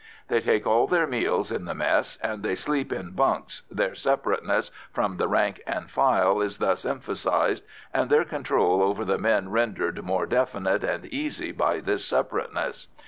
They take all their meals in the mess, and they sleep in "bunks"; their separateness from the rank and file is thus emphasised and their control over the men rendered more definite and easy by this separateness.